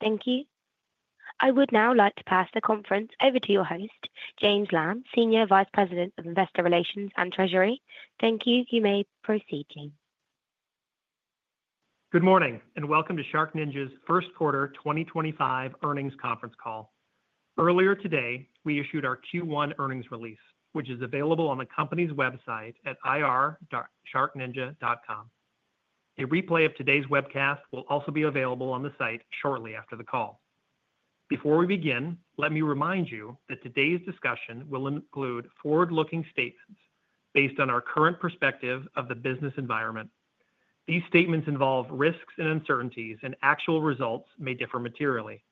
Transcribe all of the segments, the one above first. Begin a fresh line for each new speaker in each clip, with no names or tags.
Thank you. I would now like to pass the conference over to your host, James Lamb, Senior Vice President of Investor Relations and Treasury. Thank you. You may proceed, James.
Good morning and welcome to SharkNinja's First Quarter 2025 earnings conference call. Earlier today, we issued our Q1 earnings release, which is available on the company's website at ir-sharkninja.com. A replay of today's webcast will also be available on the site shortly after the call. Before we begin, let me remind you that today's discussion will include forward-looking statements based on our current perspective of the business environment. These statements involve risks and uncertainties, and actual results may differ materially.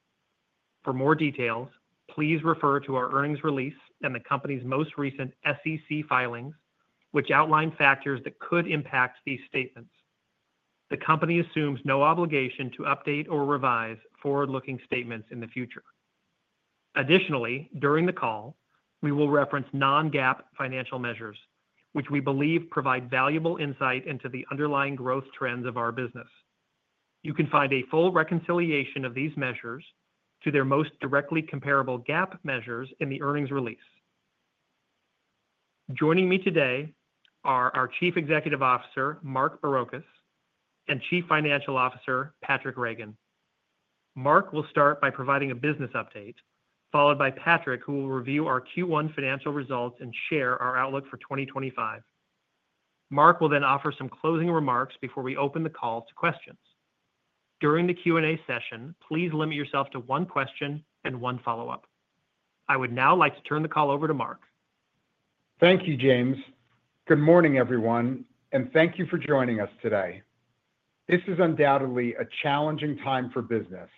For more details, please refer to our earnings release and the company's most recent SEC filings, which outline factors that could impact these statements. The company assumes no obligation to update or revise forward-looking statements in the future. Additionally, during the call, we will reference Non-GAAP financial measures, which we believe provide valuable insight into the underlying growth trends of our business. You can find a full reconciliation of these measures to their most directly comparable GAAP measures in the earnings release. Joining me today are our Chief Executive Officer, Mark Barrocas, and Chief Financial Officer, Patric Reagan. Mark will start by providing a business update, followed by Patric, who will review our Q1 financial results and share our outlook for 2025. Mark will then offer some closing remarks before we open the call to questions. During the Q&A session, please limit yourself to one question and one follow-up. I would now like to turn the call over to Mark.
Thank you, James. Good morning, everyone, and thank you for joining us today. This is undoubtedly a challenging time for business,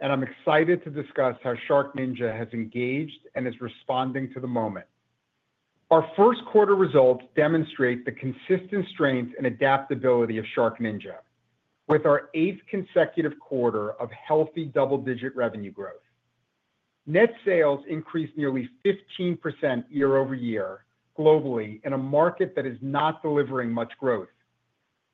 and I'm excited to discuss how SharkNinja has engaged and is responding to the moment. Our first quarter results demonstrate the consistent strength and adaptability of SharkNinja, with our eighth consecutive quarter of healthy double-digit revenue growth. Net sales increased nearly 15% year over year globally in a market that is not delivering much growth,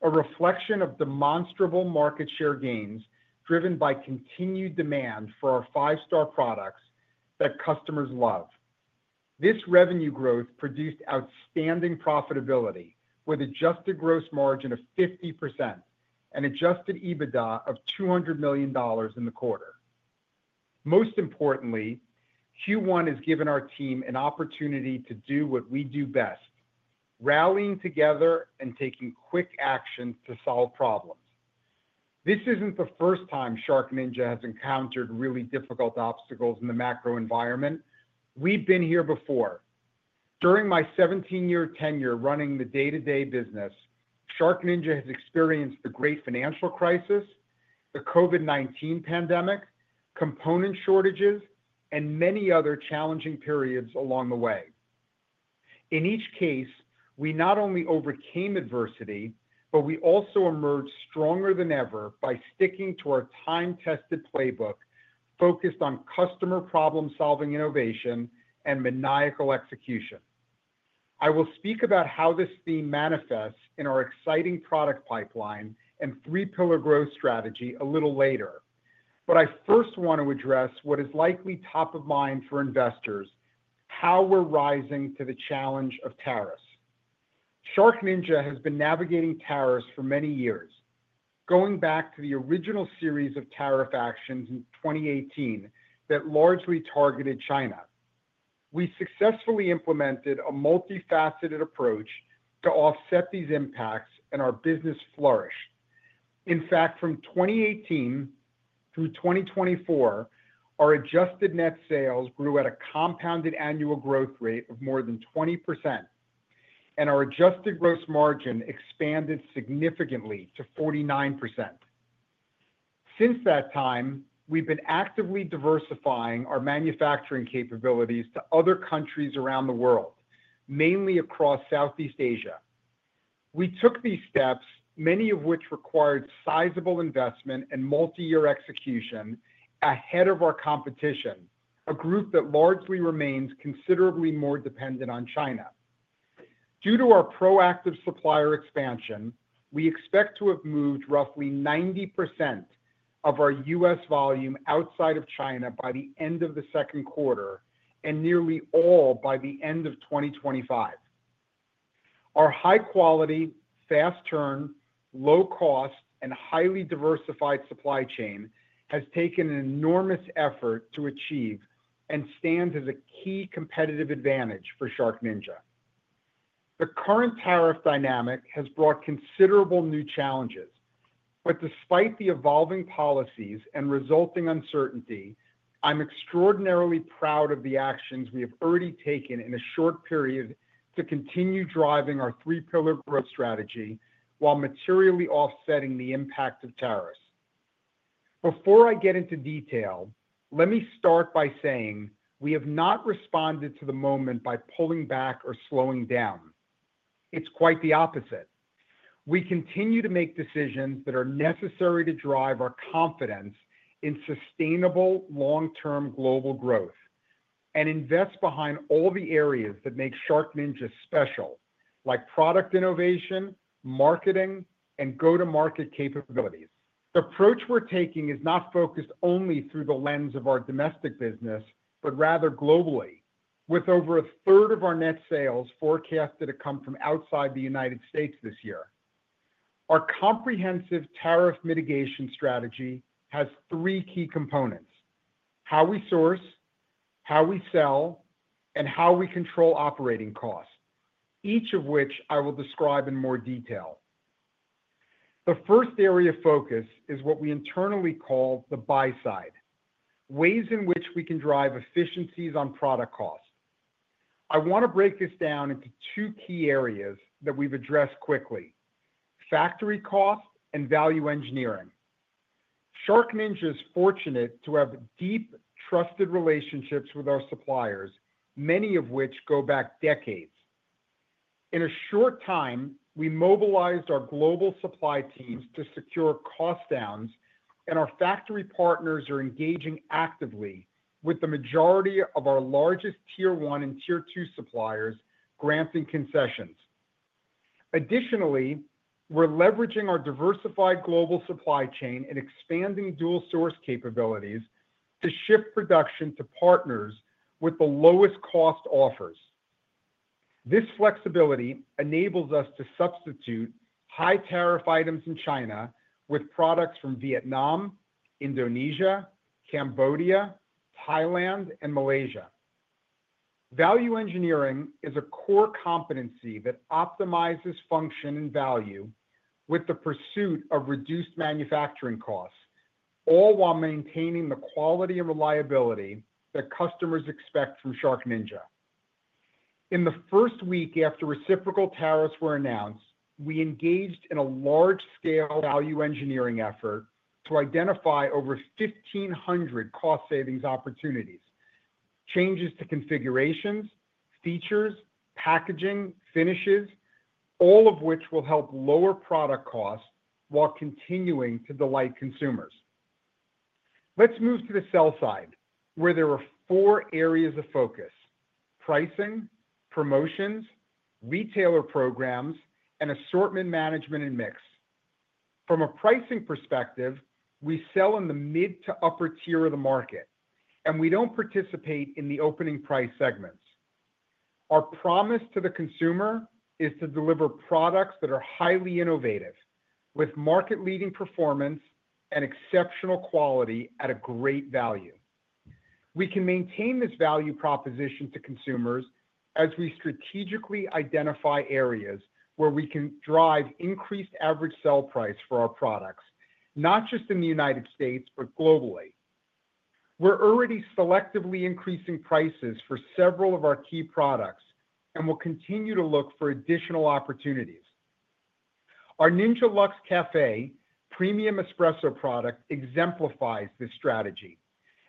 a reflection of demonstrable market share gains driven by continued demand for our five-star products that customers love. This revenue growth produced outstanding profitability with adjusted gross margin of 50% and adjusted EBITDA of $200 million in the quarter. Most importantly, Q1 has given our team an opportunity to do what we do best: rallying together and taking quick action to solve problems. This isn't the first time SharkNinja has encountered really difficult obstacles in the macro environment. We've been here before. During my 17-year tenure running the day-to-day business, SharkNinja has experienced the great financial crisis, the COVID-19 pandemic, component shortages, and many other challenging periods along the way. In each case, we not only overcame adversity, but we also emerged stronger than ever by sticking to our time-tested playbook focused on customer problem-solving innovation and maniacal execution. I will speak about how this theme manifests in our exciting product pipeline and three-pillar growth strategy a little later, but I first want to address what is likely top of mind for investors: how we're rising to the challenge of tariffs. SharkNinja has been navigating tariffs for many years, going back to the original series of tariff actions in 2018 that largely targeted China. We successfully implemented a multifaceted approach to offset these impacts, and our business flourished. In fact, from 2018 through 2024, our adjusted net sales grew at a compounded annual growth rate of more than 20%, and our adjusted gross margin expanded significantly to 49%. Since that time, we've been actively diversifying our manufacturing capabilities to other countries around the world, mainly across Southeast Asia. We took these steps, many of which required sizable investment and multi-year execution, ahead of our competition, a group that largely remains considerably more dependent on China. Due to our proactive supplier expansion, we expect to have moved roughly 90% of our U.S. volume outside of China by the end of the second quarter and nearly all by the end of 2025. Our high-quality, fast turn, low-cost, and highly diversified supply chain has taken an enormous effort to achieve and stands as a key competitive advantage for SharkNinja. The current tariff dynamic has brought considerable new challenges, but despite the evolving policies and resulting uncertainty, I'm extraordinarily proud of the actions we have already taken in a short period to continue driving our three-pillar growth strategy while materially offsetting the impact of tariffs. Before I get into detail, let me start by saying we have not responded to the moment by pulling back or slowing down. It's quite the opposite. We continue to make decisions that are necessary to drive our confidence in sustainable long-term global growth and invest behind all the areas that make SharkNinja special, like product innovation, marketing, and go-to-market capabilities. The approach we're taking is not focused only through the lens of our domestic business, but rather globally, with over a third of our net sales forecasted to come from outside the United States this year. Our comprehensive tariff mitigation strategy has three key components: how we source, how we sell, and how we control operating costs, each of which I will describe in more detail. The first area of focus is what we internally call the buy-side: ways in which we can drive efficiencies on product cost. I want to break this down into two key areas that we've addressed quickly: factory cost and value engineering. SharkNinja is fortunate to have deep, trusted relationships with our suppliers, many of which go back decades. In a short time, we mobilized our global supply teams to secure cost downs, and our factory partners are engaging actively with the majority of our largest Tier 1 and Tier 2 suppliers, granting concessions. Additionally, we're leveraging our diversified global supply chain and expanding dual-source capabilities to shift production to partners with the lowest cost offers. This flexibility enables us to substitute high-tariff items in China with products from Vietnam, Indonesia, Cambodia, Thailand, and Malaysia. Value engineering is a core competency that optimizes function and value with the pursuit of reduced manufacturing costs, all while maintaining the quality and reliability that customers expect from SharkNinja. In the first week after reciprocal tariffs were announced, we engaged in a large-scale value engineering effort to identify over 1,500 cost savings opportunities: changes to configurations, features, packaging, finishes, all of which will help lower product costs while continuing to delight consumers. Let's move to the sell side, where there are four areas of focus: pricing, promotions, retailer programs, and assortment management and mix. From a pricing perspective, we sell in the mid to upper tier of the market, and we don't participate in the opening price segments. Our promise to the consumer is to deliver products that are highly innovative, with market-leading performance and exceptional quality at a great value. We can maintain this value proposition to consumers as we strategically identify areas where we can drive increased average sell price for our products, not just in the United States, but globally. We're already selectively increasing prices for several of our key products and will continue to look for additional opportunities. Our Ninja Luxe Café premier espresso product exemplifies this strategy,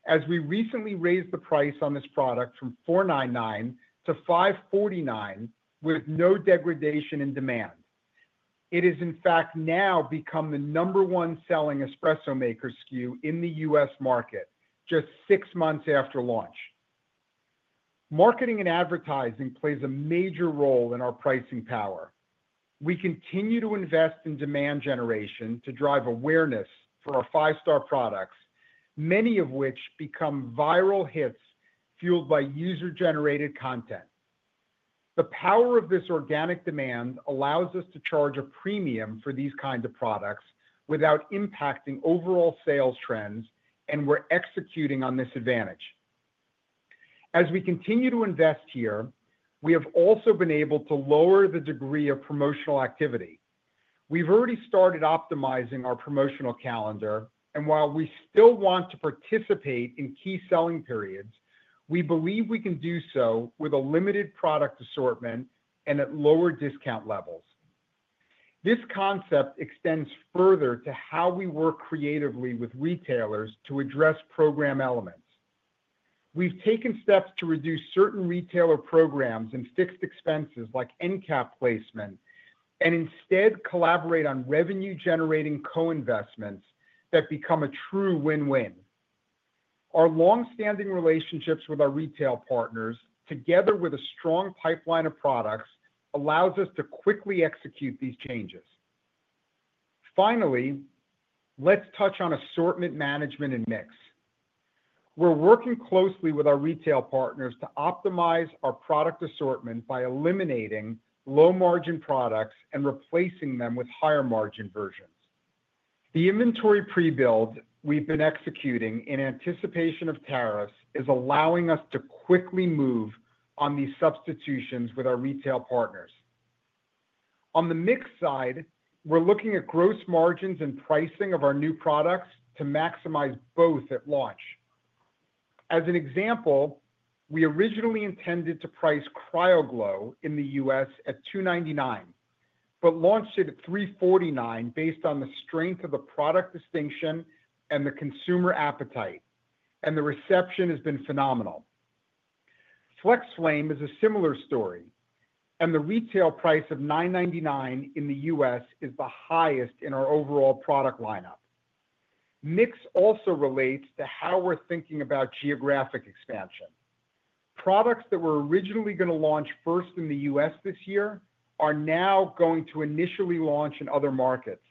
as we recently raised the price on this product from $499-$549 with no degradation in demand. It has, in fact, now become the number one selling espresso maker SKU in the U.S. market, just six months after launch. Marketing and advertising plays a major role in our pricing power. We continue to invest in demand generation to drive awareness for our five-star products, many of which become viral hits fueled by user-generated content. The power of this organic demand allows us to charge a premium for these kinds of products without impacting overall sales trends, and we're executing on this advantage. As we continue to invest here, we have also been able to lower the degree of promotional activity. We've already started optimizing our promotional calendar, and while we still want to participate in key selling periods, we believe we can do so with a limited product assortment and at lower discount levels. This concept extends further to how we work creatively with retailers to address program elements. We've taken steps to reduce certain retailer programs and fixed expenses like NCAP placement and instead collaborate on revenue-generating co-investments that become a true win-win. Our longstanding relationships with our retail partners, together with a strong pipeline of products, allow us to quickly execute these changes. Finally, let's touch on assortment management and mix. We're working closely with our retail partners to optimize our product assortment by eliminating low-margin products and replacing them with higher-margin versions. The inventory pre-build we've been executing in anticipation of tariffs is allowing us to quickly move on these substitutions with our retail partners. On the mix side, we're looking at gross margins and pricing of our new products to maximize both at launch. As an example, we originally intended to price CryoGlow in the U.S. at $299, but launched it at $349 based on the strength of the product distinction and the consumer appetite, and the reception has been phenomenal. FlexFlame is a similar story, and the retail price of $999 in the U.S. is the highest in our overall product lineup. Mix also relates to how we're thinking about geographic expansion. Products that were originally going to launch first in the U.S. this year are now going to initially launch in other markets.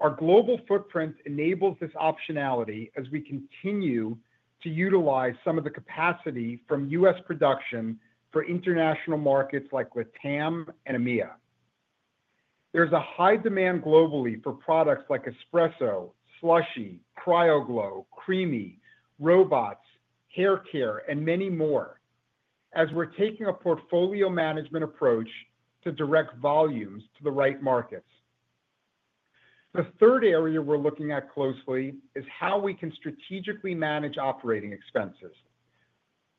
Our global footprint enables this optionality as we continue to utilize some of the capacity from U.S. production for international markets like LATAM and EMEA. There's a high demand globally for products like espresso, SLUSHi, CryoGlow, CREAMi, robots, hair care, and many more, as we're taking a portfolio management approach to direct volumes to the right markets. The third area we're looking at closely is how we can strategically manage operating expenses.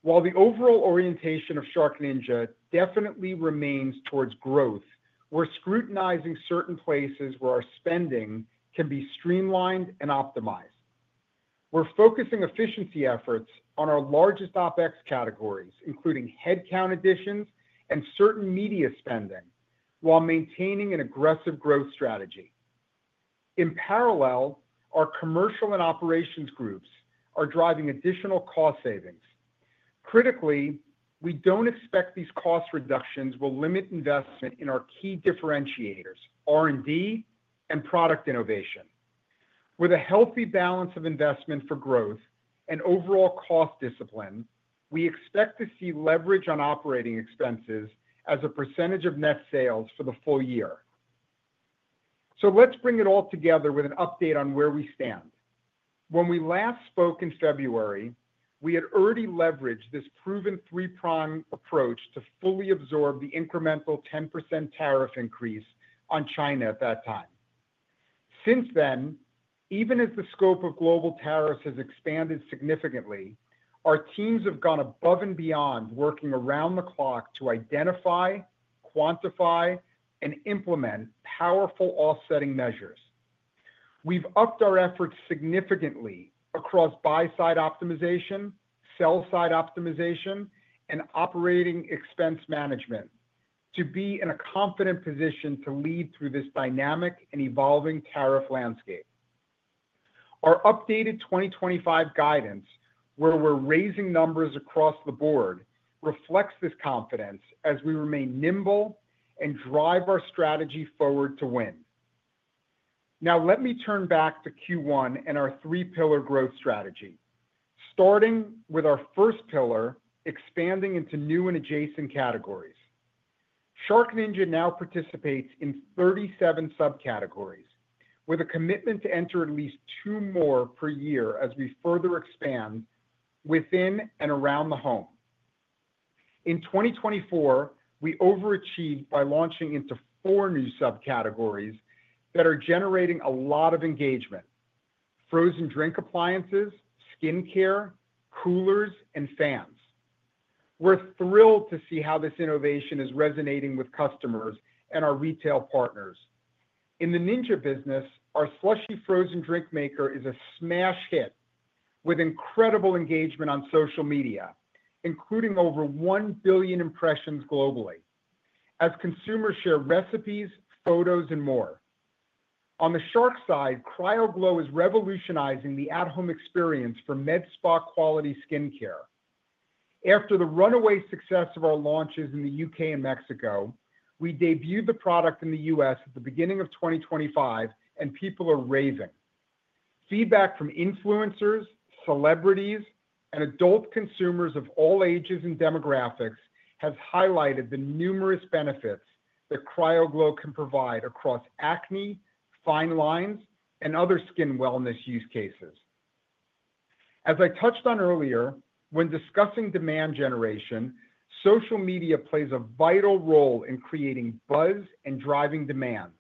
While the overall orientation of SharkNinja definitely remains towards growth, we're scrutinizing certain places where our spending can be streamlined and optimized. We're focusing efficiency efforts on our largest OpEx categories, including headcount additions and certain media spending, while maintaining an aggressive growth strategy. In parallel, our commercial and operations groups are driving additional cost savings. Critically, we don't expect these cost reductions will limit investment in our key differentiators, R&D and product innovation. With a healthy balance of investment for growth and overall cost discipline, we expect to see leverage on operating expenses as a percentage of net sales for the full year. So let's bring it all together with an update on where we stand. When we last spoke in February, we had already leveraged this proven three-prong approach to fully absorb the incremental 10% tariff increase on China at that time. Since then, even as the scope of global tariffs has expanded significantly, our teams have gone above and beyond working around the clock to identify, quantify, and implement powerful offsetting measures. We've upped our efforts significantly across buy-side optimization, sell-side optimization, and operating expense management to be in a confident position to lead through this dynamic and evolving tariff landscape. Our updated 2025 guidance, where we're raising numbers across the board, reflects this confidence as we remain nimble and drive our strategy forward to win. Now, let me turn back to Q1 and our three-pillar growth strategy, starting with our first pillar, expanding into new and adjacent categories. SharkNinja now participates in 37 subcategories, with a commitment to enter at least two more per year as we further expand within and around the home. In 2024, we overachieved by launching into four new subcategories that are generating a lot of engagement: frozen drink appliances, skin care, coolers, and fans. We're thrilled to see how this innovation is resonating with customers and our retail partners. In the Ninja business, our SLUSHi frozen drink maker is a smash hit, with incredible engagement on social media, including over one billion impressions globally, as consumers share recipes, photos, and more. On the Shark side, CryoGlow is revolutionizing the at-home experience for med spa quality skin care. After the runaway success of our launches in the U.K. and Mexico, we debuted the product in the U.S. at the beginning of 2025, and people are raving. Feedback from influencers, celebrities, and adult consumers of all ages and demographics has highlighted the numerous benefits that CryoGlow can provide across acne, fine lines, and other skin wellness use cases. As I touched on earlier, when discussing demand generation, social media plays a vital role in creating buzz and driving demand,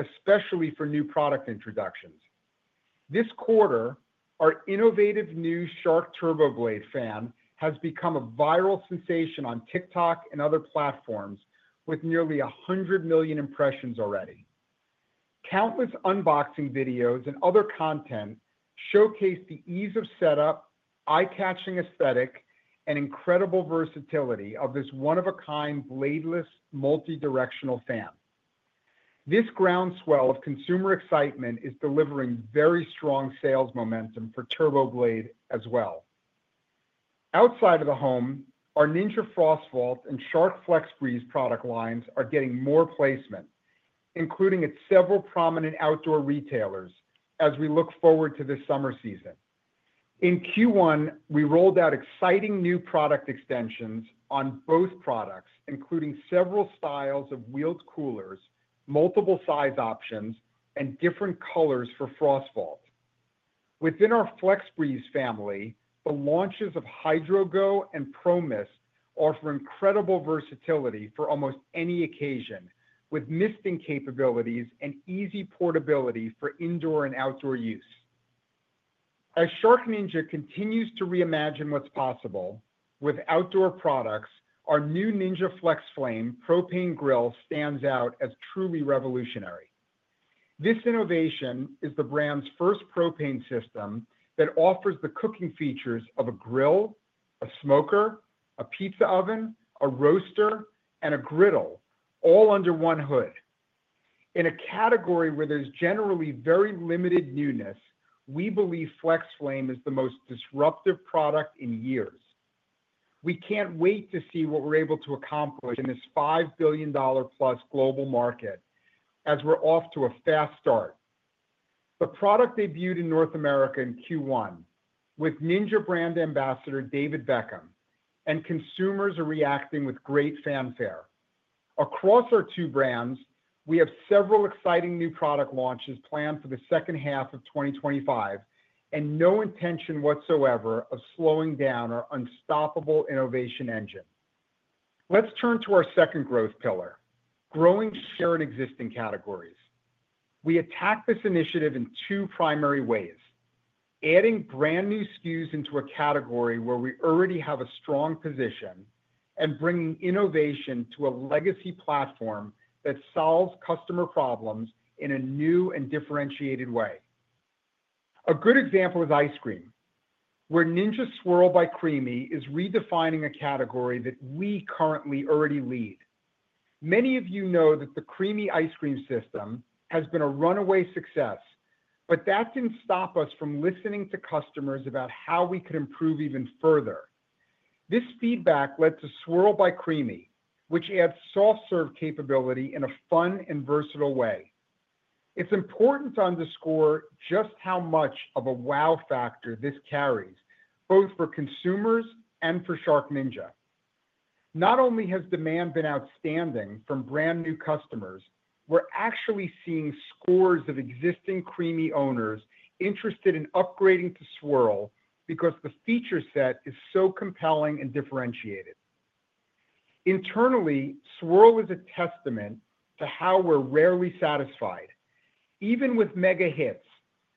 especially for new product introductions. This quarter, our innovative new Shark TurboBlade fan has become a viral sensation on TikTok and other platforms, with nearly 100 million impressions already. Countless unboxing videos and other content showcase the ease of setup, eye-catching aesthetic, and incredible versatility of this one-of-a-kind bladeless multidirectional fan. This groundswell of consumer excitement is delivering very strong sales momentum for TurboBlade as well. Outside of the home, our Ninja FrostVault and Shark FlexBreeze product lines are getting more placement, including at several prominent outdoor retailers, as we look forward to this summer season. In Q1, we rolled out exciting new product extensions on both products, including several styles of wheeled coolers, multiple size options, and different colors for FrostVault. Within our FlexBreeze family, the launches of HydroGo and ProMist offer incredible versatility for almost any occasion, with misting capabilities and easy portability for indoor and outdoor use. As SharkNinja continues to reimagine what's possible with outdoor products, our new Ninja FlexFlame propane grill stands out as truly revolutionary. This innovation is the brand's first propane system that offers the cooking features of a grill, a smoker, a pizza oven, a roaster, and a griddle, all under one hood. In a category where there's generally very limited newness, we believe FlexFlame is the most disruptive product in years. We can't wait to see what we're able to accomplish in this $5 billion-plus global market, as we're off to a fast start. The product debuted in North America in Q1 with Ninja brand ambassador David Beckham, and consumers are reacting with great fanfare. Across our two brands, we have several exciting new product launches planned for the second half of 2025, and no intention whatsoever of slowing down our unstoppable innovation engine. Let's turn to our second growth pillar: growing shared existing categories. We attack this initiative in two primary ways: adding brand new SKUs into a category where we already have a strong position and bringing innovation to a legacy platform that solves customer problems in a new and differentiated way. A good example is ice cream, where Ninja Swirl by Creami is redefining a category that we currently already lead. Many of you know that the Creami ice cream system has been a runaway success, but that didn't stop us from listening to customers about how we could improve even further. This feedback led to Swirl by Creami, which adds soft serve capability in a fun and versatile way. It's important to underscore just how much of a wow factor this carries, both for consumers and for SharkNinja. Not only has demand been outstanding from brand new customers, we're actually seeing scores of existing Creami owners interested in upgrading to Swirl because the feature set is so compelling and differentiated. Internally, Swirl is a testament to how we're rarely satisfied, even with mega hits,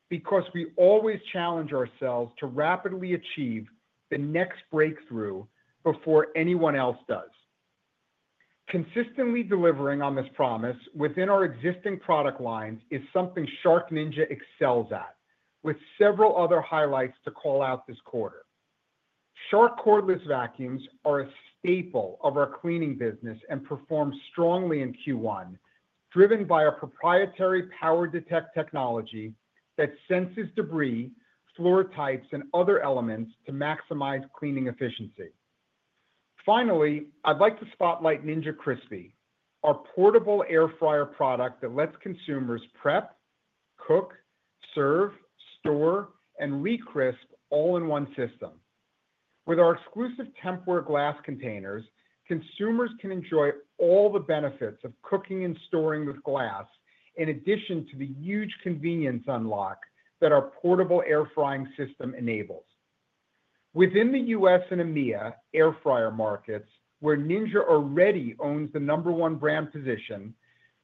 because we always challenge ourselves to rapidly achieve the next breakthrough before anyone else does. Consistently delivering on this promise within our existing product lines is something SharkNinja excels at, with several other highlights to call out this quarter. Shark cordless vacuums are a staple of our cleaning business and perform strongly in Q1, driven by our proprietary PowerDetect technology that senses debris, floor types, and other elements to maximize cleaning efficiency. Finally, I'd like to spotlight Ninja Crispi, our portable air fryer product that lets consumers prep, cook, serve, store, and recrisp all in one system. With our exclusive TempWare glass containers, consumers can enjoy all the benefits of cooking and storing with glass, in addition to the huge convenience unlock that our portable air frying system enables. Within the U.S. and EMEA air fryer markets, where Ninja already owns the number one brand position,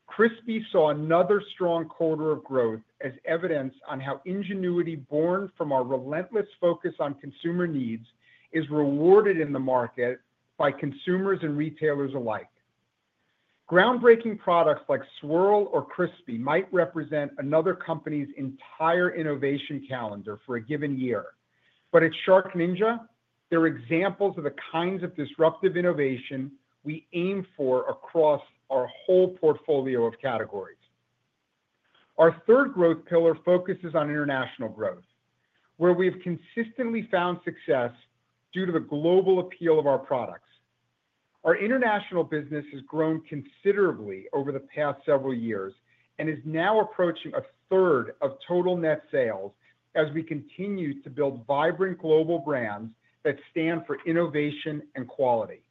Crispi saw another strong quarter of growth as evidence on how ingenuity born from our relentless focus on consumer needs is rewarded in the market by consumers and retailers alike. Groundbreaking products like Swirl or Crispi might represent another company's entire innovation calendar for a given year, but at SharkNinja, they're examples of the kinds of disruptive innovation we aim for across our whole portfolio of categories. Our third growth pillar focuses on international growth, where we have consistently found success due to the global appeal of our products. Our international business has grown considerably over the past several years and is now approaching a third of total net sales as we continue to build vibrant global brands that stand for innovation and quality.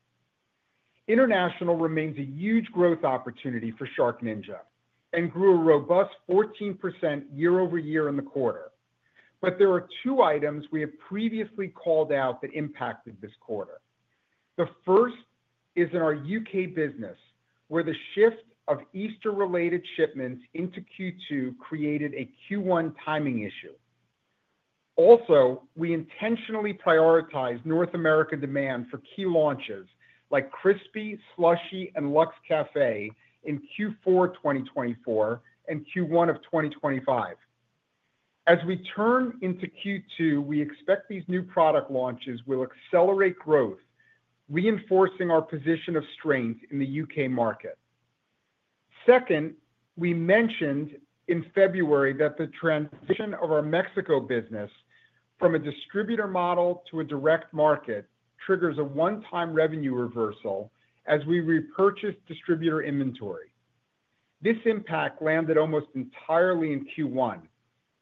International remains a huge growth opportunity for SharkNinja and grew a robust 14% year over year in the quarter, but there are two items we have previously called out that impacted this quarter. The first is in our U.K. business, where the shift of Easter-related shipments into Q2 created a Q1 timing issue. Also, we intentionally prioritized North America demand for key launches like Crispi, Slushie, and Luxe Café in Q4 2024 and Q1 of 2025. As we turn into Q2, we expect these new product launches will accelerate growth, reinforcing our position of strength in the U.K. market. Second, we mentioned in February that the transition of our Mexico business from a distributor model to a direct market triggers a one-time revenue reversal as we repurchase distributor inventory. This impact landed almost entirely in Q1,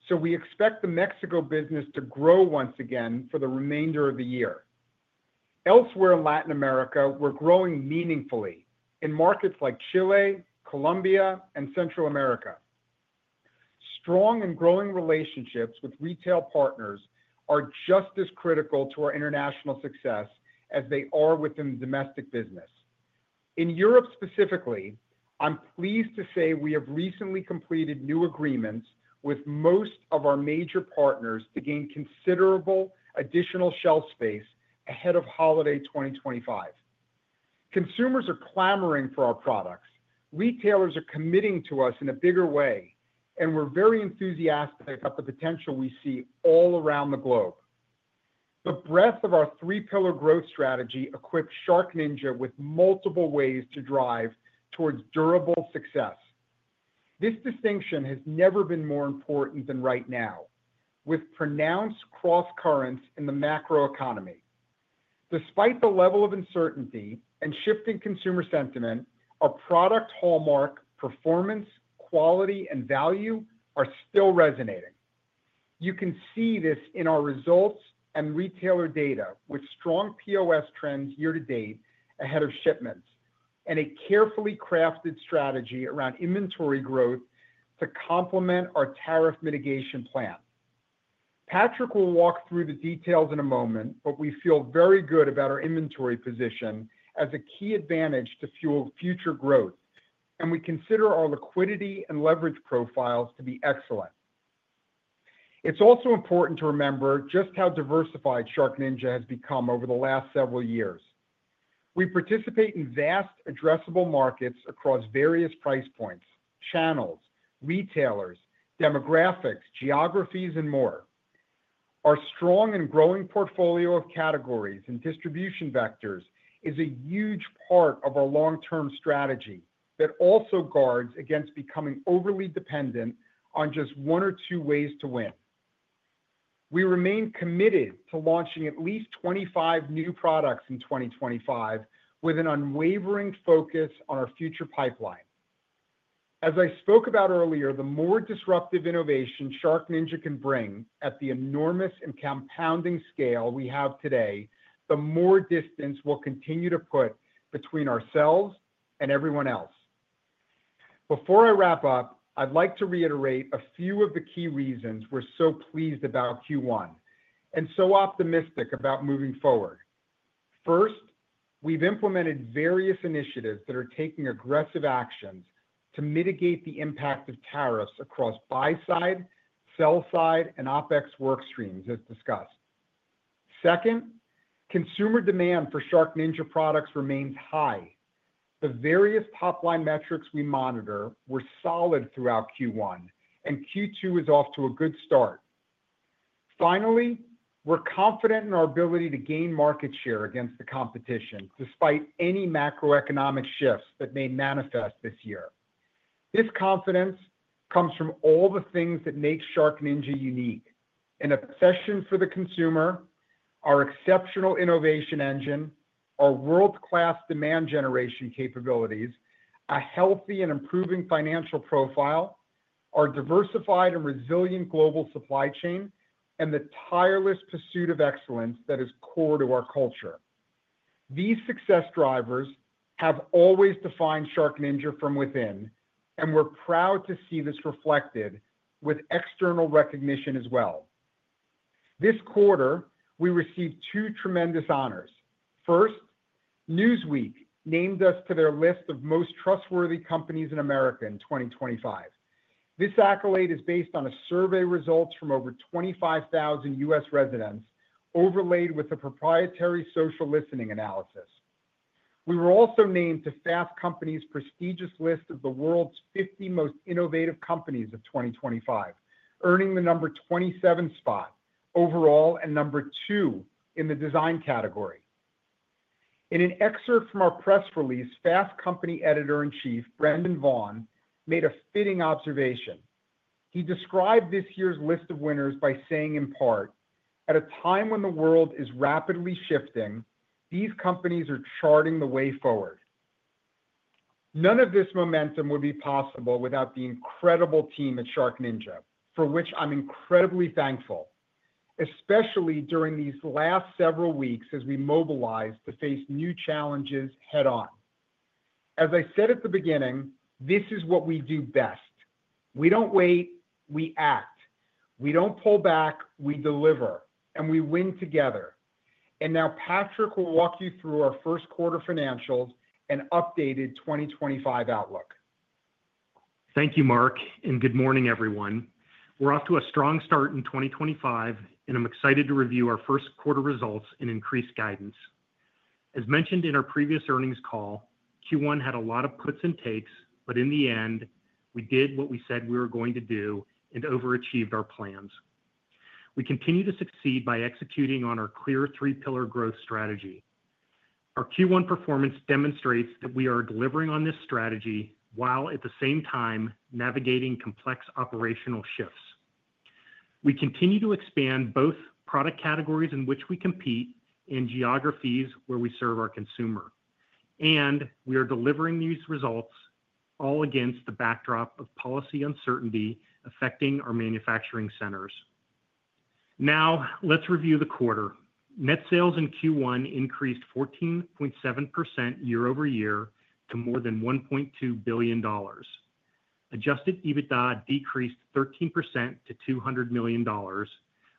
so we expect the Mexico business to grow once again for the remainder of the year. Elsewhere in Latin America, we're growing meaningfully in markets like Chile, Colombia, and Central America. Strong and growing relationships with retail partners are just as critical to our international success as they are within the domestic business. In Europe specifically, I'm pleased to say we have recently completed new agreements with most of our major partners to gain considerable additional shelf space ahead of holiday 2025. Consumers are clamoring for our products. Retailers are committing to us in a bigger way, and we're very enthusiastic about the potential we see all around the globe. The breadth of our three-pillar growth strategy equips SharkNinja with multiple ways to drive towards durable success. This distinction has never been more important than right now, with pronounced cross-currents in the macro economy. Despite the level of uncertainty and shifting consumer sentiment, our product hallmark performance, quality, and value are still resonating. You can see this in our results and retailer data, with strong POS trends year to date ahead of shipments and a carefully crafted strategy around inventory growth to complement our tariff mitigation plan. Patric will walk through the details in a moment, but we feel very good about our inventory position as a key advantage to fuel future growth, and we consider our liquidity and leverage profiles to be excellent. It's also important to remember just how diversified SharkNinja has become over the last several years. We participate in vast addressable markets across various price points, channels, retailers, demographics, geographies, and more. Our strong and growing portfolio of categories and distribution vectors is a huge part of our long-term strategy that also guards against becoming overly dependent on just one or two ways to win. We remain committed to launching at least 25 new products in 2025, with an unwavering focus on our future pipeline. As I spoke about earlier, the more disruptive innovation SharkNinja can bring at the enormous and compounding scale we have today, the more distance we'll continue to put between ourselves and everyone else. Before I wrap up, I'd like to reiterate a few of the key reasons we're so pleased about Q1 and so optimistic about moving forward. First, we've implemented various initiatives that are taking aggressive actions to mitigate the impact of tariffs across buy-side, sell-side, and OpEx workstreams, as discussed. Second, consumer demand for SharkNinja products remains high. The various top-line metrics we monitor were solid throughout Q1, and Q2 is off to a good start. Finally, we're confident in our ability to gain market share against the competition, despite any macroeconomic shifts that may manifest this year. This confidence comes from all the things that make SharkNinja unique: an obsession for the consumer, our exceptional innovation engine, our world-class demand generation capabilities, a healthy and improving financial profile, our diversified and resilient global supply chain, and the tireless pursuit of excellence that is core to our culture. These success drivers have always defined SharkNinja from within, and we're proud to see this reflected with external recognition as well. This quarter, we received two tremendous honors. First, Newsweek named us to their list of most trustworthy companies in America in 2025. This accolade is based on a survey result from over 25,000 U.S. residents, overlaid with a proprietary social listening analysis. We were also named to Fast Company's prestigious list of the world's 50 most innovative companies of 2025, earning the number 27 spot overall and number two in the design category. In an excerpt from our press release, Fast Company Editor-in-Chief Brendan Vaughan made a fitting observation. He described this year's list of winners by saying in part, "At a time when the world is rapidly shifting, these companies are charting the way forward." None of this momentum would be possible without the incredible team at SharkNinja, for which I'm incredibly thankful, especially during these last several weeks as we mobilize to face new challenges head-on. As I said at the beginning, this is what we do best. We don't wait. We act. We don't pull back. We deliver. And we win together. And now, Patric will walk you through our first quarter financials and updated 2025 outlook.
Thank you, Mark, and good morning, everyone. We're off to a strong start in 2025, and I'm excited to review our first quarter results and increased guidance. As mentioned in our previous earnings call, Q1 had a lot of puts and takes, but in the end, we did what we said we were going to do and overachieved our plans. We continue to succeed by executing on our clear three-pillar growth strategy. Our Q1 performance demonstrates that we are delivering on this strategy while at the same time navigating complex operational shifts. We continue to expand both product categories in which we compete and geographies where we serve our consumer, and we are delivering these results all against the backdrop of policy uncertainty affecting our manufacturing centers. Now, let's review the quarter. Net sales in Q1 increased 14.7% year over year to more than $1.2 billion. Adjusted EBITDA decreased 13% to $200 million,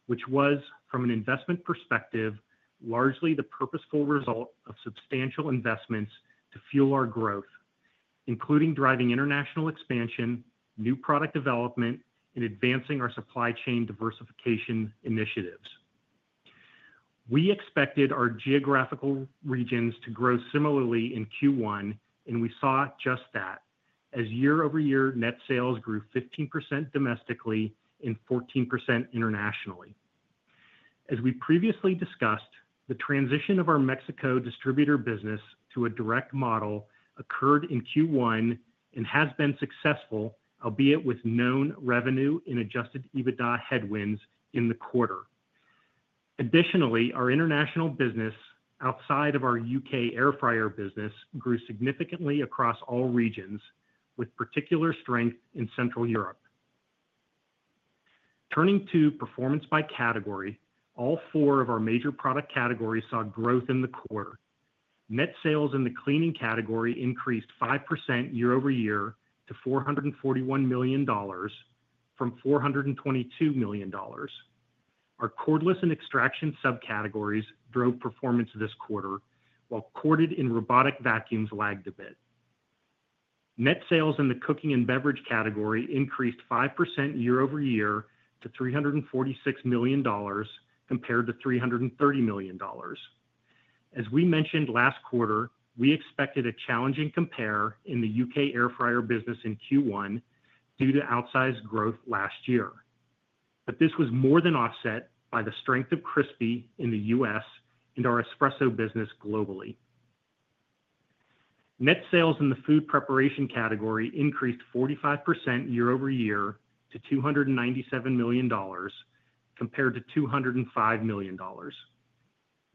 which was, from an investment perspective, largely the purposeful result of substantial investments to fuel our growth, including driving international expansion, new product development, and advancing our supply chain diversification initiatives. We expected our geographical regions to grow similarly in Q1, and we saw just that, as year over year net sales grew 15% domestically and 14% internationally. As we previously discussed, the transition of our Mexico distributor business to a direct model occurred in Q1 and has been successful, albeit with known revenue in adjusted EBITDA headwinds in the quarter. Additionally, our international business outside of our U.K. air fryer business grew significantly across all regions, with particular strength in Central Europe. Turning to performance by category, all four of our major product categories saw growth in the quarter. Net sales in the cleaning category increased 5% year over year to $441 million from $422 million. Our cordless and extraction subcategories drove performance this quarter, while corded and robotic vacuums lagged a bit. Net sales in the cooking and beverage category increased 5% year over year to $346 million compared to $330 million. As we mentioned last quarter, we expected a challenging compare in the U.K. air fryer business in Q1 due to outsized growth last year, but this was more than offset by the strength of Crispi in the U.S. and our espresso business globally. Net sales in the food preparation category increased 45% year over year to $297 million compared to $205 million.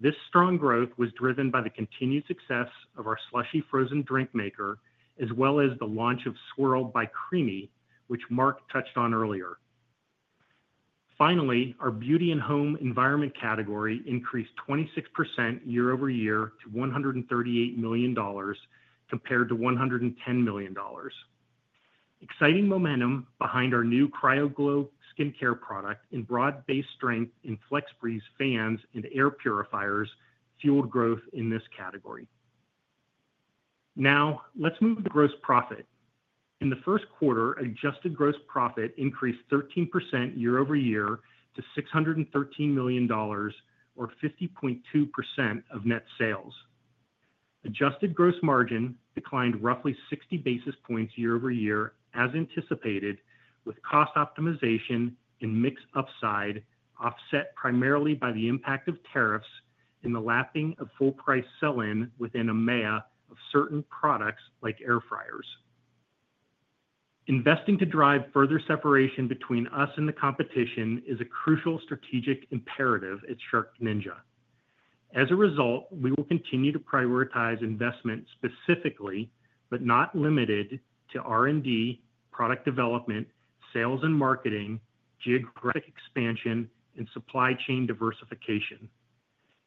This strong growth was driven by the continued success of our Slushie frozen drink maker, as well as the launch of Swirl by Creami, which Mark touched on earlier. Finally, our beauty and home environment category increased 26% year over year to $138 million compared to $110 million. Exciting momentum behind our new CryoGlow skincare product and broad-based strength in FlexBreeze fans and air purifiers fueled growth in this category. Now, let's move to gross profit. In the first quarter, adjusted gross profit increased 13% year over year to $613 million, or 50.2% of net sales. Adjusted gross margin declined roughly 60 basis points year over year, as anticipated, with cost optimization and mix upside offset primarily by the impact of tariffs and the lapping of full-price sell-in within a matrix of certain products like air fryers. Investing to drive further separation between us and the competition is a crucial strategic imperative at SharkNinja. As a result, we will continue to prioritize investment specifically, but not limited to R&D, product development, sales and marketing, geographic expansion, and supply chain diversification.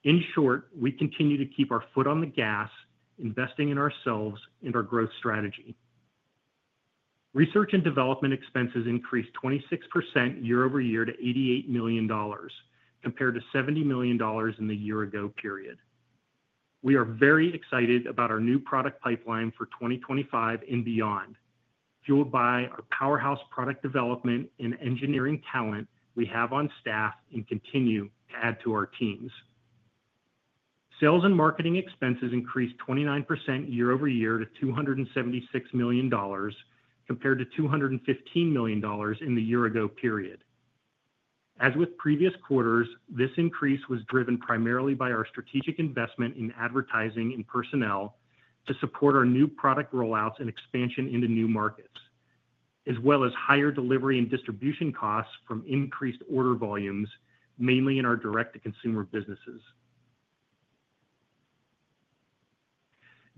In short, we continue to keep our foot on the gas, investing in ourselves and our growth strategy. Research and development expenses increased 26% year over year to $88 million compared to $70 million in the year-ago period. We are very excited about our new product pipeline for 2025 and beyond, fueled by our powerhouse product development and engineering talent we have on staff and continue to add to our teams. Sales and marketing expenses increased 29% year over year to $276 million compared to $215 million in the year-ago period. As with previous quarters, this increase was driven primarily by our strategic investment in advertising and personnel to support our new product rollouts and expansion into new markets, as well as higher delivery and distribution costs from increased order volumes, mainly in our direct-to-consumer businesses.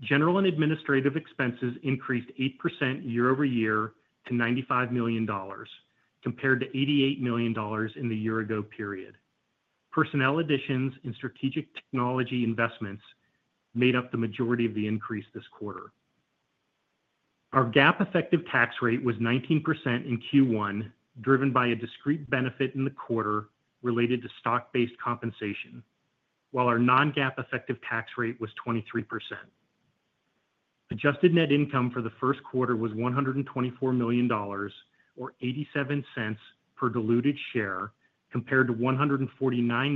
General and administrative expenses increased 8% year over year to $95 million compared to $88 million in the year-ago period. Personnel additions and strategic technology investments made up the majority of the increase this quarter. Our GAAP effective tax rate was 19% in Q1, driven by a discrete benefit in the quarter related to stock-based compensation, while our non-GAAP effective tax rate was 23%. Adjusted net income for the first quarter was $124 million, or $0.87 per diluted share, compared to $149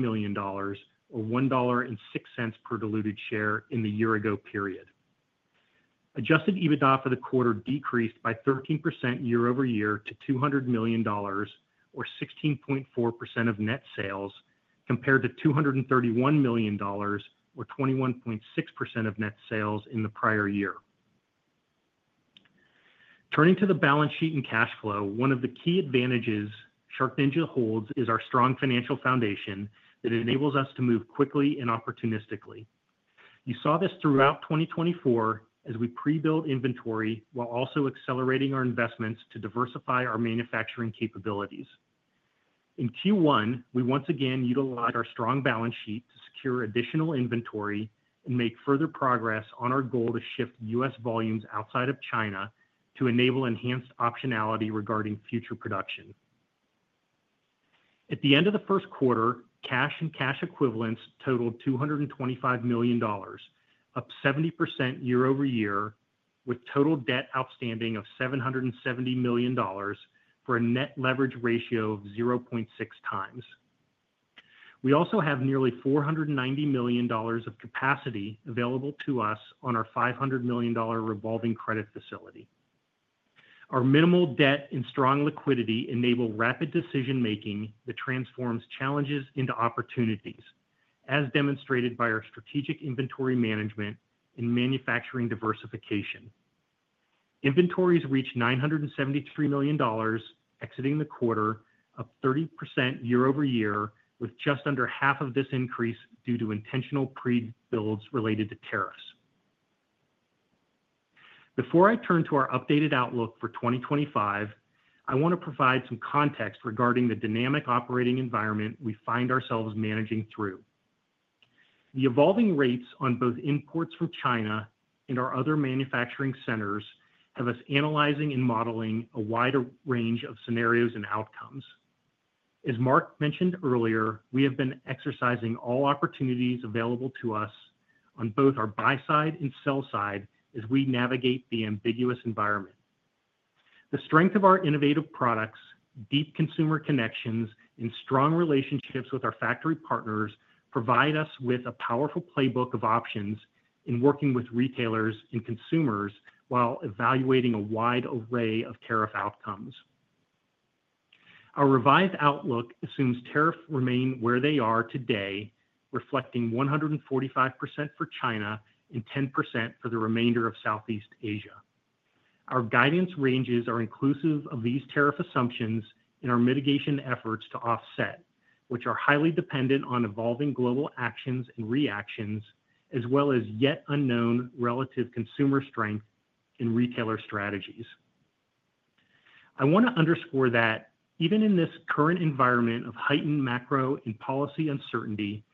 million, or $1.06 per diluted share in the year-ago period. Adjusted EBITDA for the quarter decreased by 13% year over year to $200 million, or 16.4% of net sales, compared to $231 million, or 21.6% of net sales in the prior year. Turning to the balance sheet and cash flow, one of the key advantages SharkNinja holds is our strong financial foundation that enables us to move quickly and opportunistically. You saw this throughout 2024 as we pre-built inventory while also accelerating our investments to diversify our manufacturing capabilities. In Q1, we once again utilized our strong balance sheet to secure additional inventory and make further progress on our goal to shift U.S. volumes outside of China to enable enhanced optionality regarding future production. At the end of the first quarter, cash and cash equivalents totaled $225 million, up 70% year over year, with total debt outstanding of $770 million for a net leverage ratio of 0.6 times. We also have nearly $490 million of capacity available to us on our $500 million revolving credit facility. Our minimal debt and strong liquidity enable rapid decision-making that transforms challenges into opportunities, as demonstrated by our strategic inventory management and manufacturing diversification. Inventories reached $973 million exiting the quarter, up 30% year over year, with just under half of this increase due to intentional pre-builds related to tariffs. Before I turn to our updated outlook for 2025, I want to provide some context regarding the dynamic operating environment we find ourselves managing through. The evolving rates on both imports from China and our other manufacturing centers have us analyzing and modeling a wider range of scenarios and outcomes. As Mark mentioned earlier, we have been exercising all opportunities available to us on both our buy side and sell side as we navigate the ambiguous environment. The strength of our innovative products, deep consumer connections, and strong relationships with our factory partners provide us with a powerful playbook of options in working with retailers and consumers while evaluating a wide array of tariff outcomes. Our revised outlook assumes tariffs remain where they are today, reflecting 145% for China and 10% for the remainder of Southeast Asia. Our guidance ranges are inclusive of these tariff assumptions in our mitigation efforts to offset, which are highly dependent on evolving global actions and reactions, as well as yet unknown relative consumer strength and retailer strategies. I want to underscore that even in this current environment of heightened macro and policy uncertainty,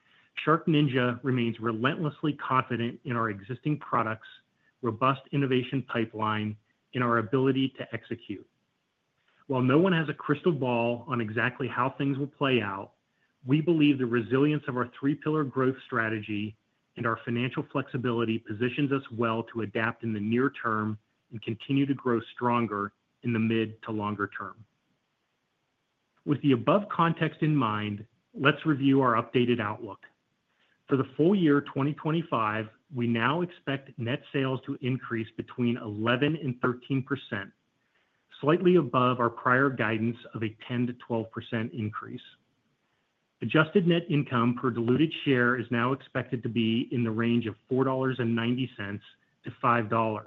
SharkNinja remains relentlessly confident in our existing products, robust innovation pipeline, and our ability to execute. While no one has a crystal ball on exactly how things will play out, we believe the resilience of our three-pillar growth strategy and our financial flexibility positions us well to adapt in the near term and continue to grow stronger in the mid to longer term. With the above context in mind, let's review our updated outlook. For the full year 2025, we now expect net sales to increase between 11% and 13%, slightly above our prior guidance of a 10%-12% increase. Adjusted net income per diluted share is now expected to be in the range of $4.90-$5.00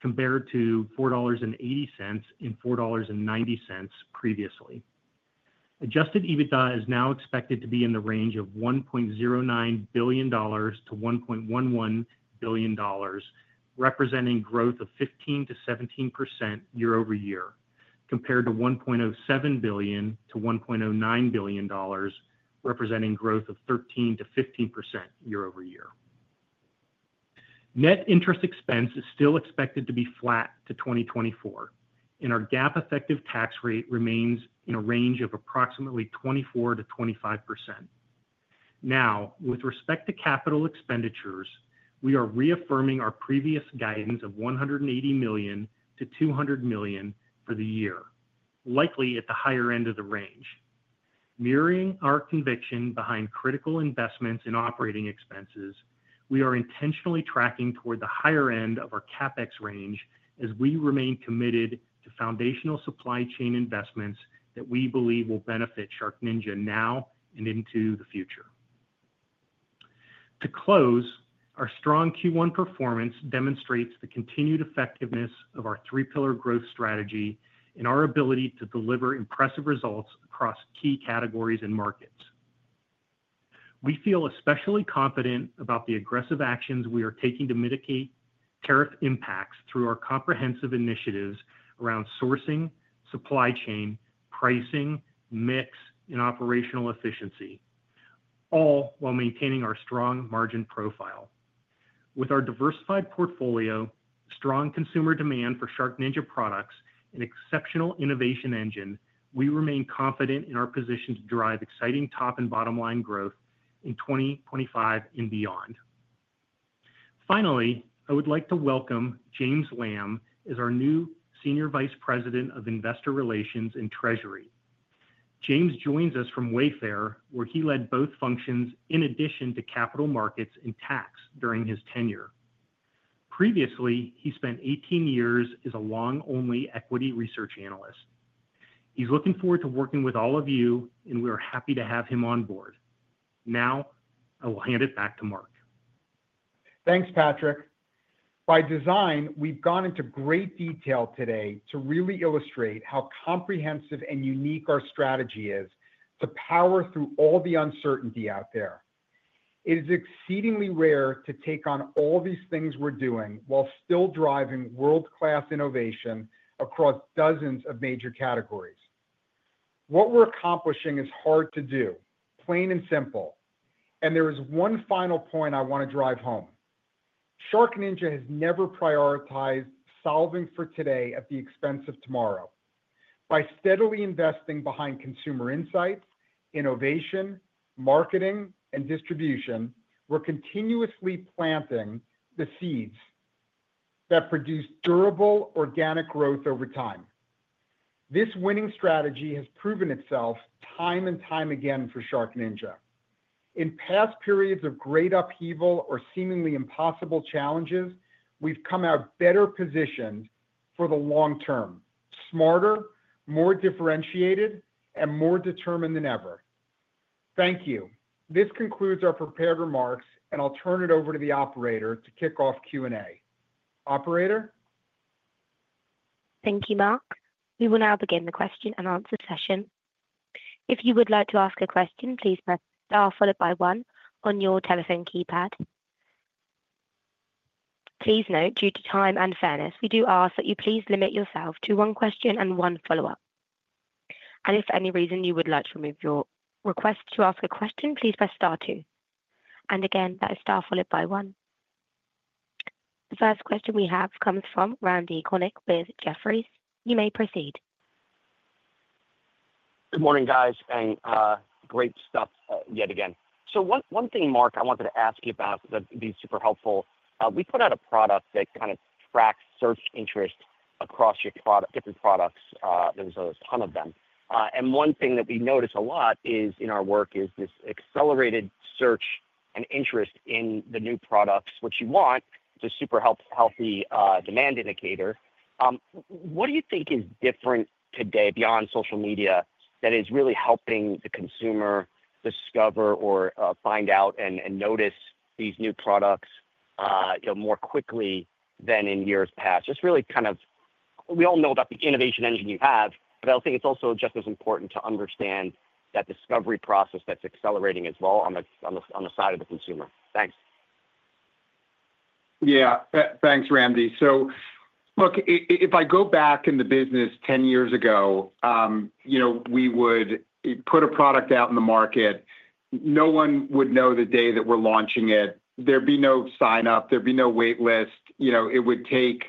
compared to $4.80 and $4.90 previously. Adjusted EBITDA is now expected to be in the range of $1.09 billion-$1.11 billion, representing growth of 15%-17% year over year compared to $1.07 billion-$1.09 billion, representing growth of 13%-15% year over year. Net interest expense is still expected to be flat to 2024, and our GAAP effective tax rate remains in a range of approximately 24%-25%. Now, with respect to capital expenditures, we are reaffirming our previous guidance of $180 million-$200 million for the year, likely at the higher end of the range. Mirroring our conviction behind critical investments in operating expenses, we are intentionally tracking toward the higher end of our CapEx range as we remain committed to foundational supply chain investments that we believe will benefit SharkNinja now and into the future. To close, our strong Q1 performance demonstrates the continued effectiveness of our three-pillar growth strategy and our ability to deliver impressive results across key categories and markets. We feel especially confident about the aggressive actions we are taking to mitigate tariff impacts through our comprehensive initiatives around sourcing, supply chain, pricing, mix, and operational efficiency, all while maintaining our strong margin profile. With our diversified portfolio, strong consumer demand for SharkNinja products, and exceptional innovation engine, we remain confident in our position to drive exciting top and bottom line growth in 2025 and beyond. Finally, I would like to welcome James Lamb as our new Senior Vice President of Investor Relations and Treasury. James joins us from Wayfair, where he led both functions in addition to capital markets and tax during his tenure. Previously, he spent 18 years as a long-only equity research analyst. He's looking forward to working with all of you, and we are happy to have him on board. Now, I will hand it back to Mark.
Thanks, Patrick. By design, we've gone into great detail today to really illustrate how comprehensive and unique our strategy is to power through all the uncertainty out there. It is exceedingly rare to take on all these things we're doing while still driving world-class innovation across dozens of major categories. What we're accomplishing is hard to do, plain and simple, and there is one final point I want to drive home. SharkNinja has never prioritized solving for today at the expense of tomorrow. By steadily investing behind consumer insights, innovation, marketing, and distribution, we're continuously planting the seeds that produce durable organic growth over time. This winning strategy has proven itself time and time again for SharkNinja. In past periods of great upheaval or seemingly impossible challenges, we've come out better positioned for the long term, smarter, more differentiated, and more determined than ever. Thank you. This concludes our prepared remarks, and I'll turn it over to the operator to kick off Q&A. Operator?
Thank you, Mark. We will now begin the question and answer session. If you would like to ask a question, please press star followed by one on your telephone keypad. Please note, due to time and fairness, we do ask that you please limit yourself to one question and one follow-up. And if for any reason you would like to remove your request to ask a question, please press star two. And again, that is star followed by one. The first question we have comes from Randal Konik with Jefferies. You may proceed.
Good morning, guys, and great stuff yet again. So one thing, Mark, I wanted to ask you about that'd be super helpful. We put out a product that kind of tracks search interest across your different products. There's a ton of them and one thing that we notice a lot in our work is this accelerated search and interest in the new products, which you want. It's a super healthy demand indicator. What do you think is different today beyond social media that is really helping the consumer discover or find out and notice these new products more quickly than in years past? Just really kind of we all know about the innovation engine you have, but I think it's also just as important to understand that discovery process that's accelerating as well on the side of the consumer. Thanks.
Yeah, thanks, Randy. Look, if I go back in the business 10 years ago, we would put a product out in the market. No one would know the day that we're launching it. There'd be no sign-up. There'd be no waitlist. It would take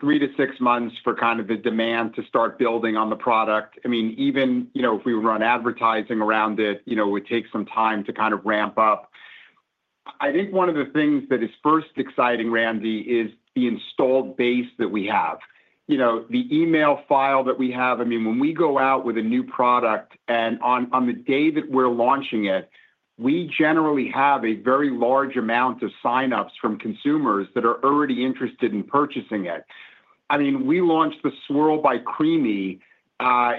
three to six months for kind of the demand to start building on the product. I mean, even if we were running advertising around it, it would take some time to kind of ramp up. I think one of the things that is first exciting, Randy, is the installed base that we have. The email file that we have, I mean, when we go out with a new product and on the day that we're launching it, we generally have a very large amount of sign-ups from consumers that are already interested in purchasing it. I mean, we launched the Swirl by Creami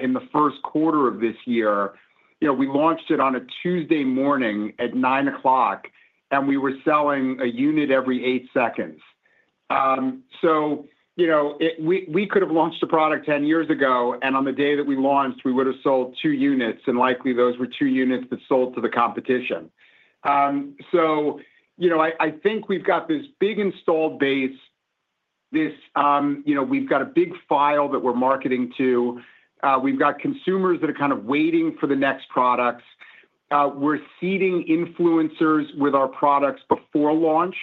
in the first quarter of this year. We launched it on a Tuesday morning at 9:00 A.M., and we were selling a unit every eight seconds. So, we could have launched a product 10 years ago, and on the day that we launched, we would have sold two units, and likely those were two units that sold to the competition. So, I think we've got this big installed base. We've got a big file that we're marketing to. We've got consumers that are kind of waiting for the next products. We're seeding influencers with our products before launch.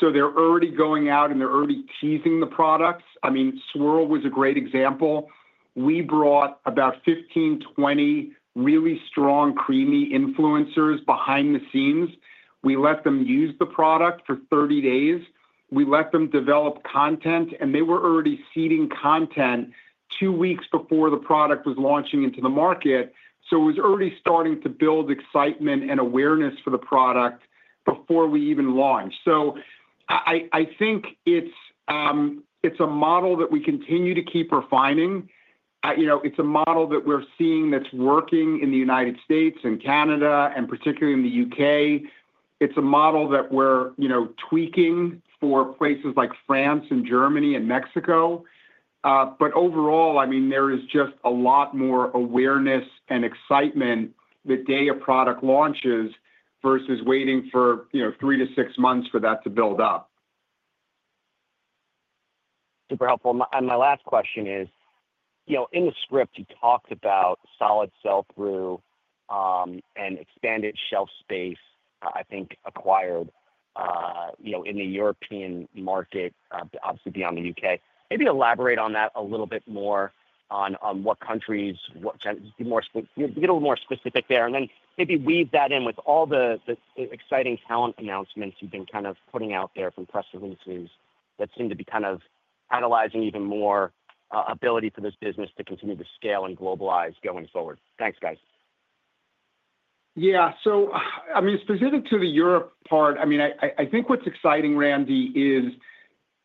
So, they're already going out, and they're already teasing the products. I mean, Swirl was a great example. We brought about 15, 20 really strong Creami influencers behind the scenes. We let them use the product for 30 days. We let them develop content, and they were already seeding content two weeks before the product was launching into the market. So, it was already starting to build excitement and awareness for the product before we even launched. So I think it's a model that we continue to keep refining. It's a model that we're seeing that's working in the United States and Canada, and particularly in the UK. It's a model that we're tweaking for places like France and Germany and Mexico. But overall, I mean, there is just a lot more awareness and excitement the day a product launches versus waiting for three to six months for that to build up.
Super helpful. And my last question is, in the script, you talked about solid sell-through and expanded shelf space, I think, acquired in the European market, obviously beyond the UK. Maybe elaborate on that a little bit more on what countries, what kind of be a little more specific there, and then maybe weave that in with all the exciting talent announcements you've been kind of putting out there from press releases that seem to be kind of analyzing even more ability for this business to continue to scale and globalize going forward. Thanks, guys.
Yeah. So I mean, specific to the Europe part, I mean, I think what's exciting, Randy, is